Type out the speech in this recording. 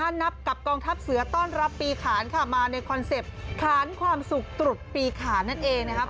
นับกับกองทัพเสือต้อนรับปีขานค่ะมาในคอนเซ็ปต์ขานความสุขตรุษปีขานนั่นเองนะครับ